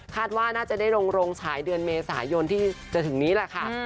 ว่าน่าจะได้ลงฉายเดือนเมษายนที่จะถึงนี้แหละค่ะ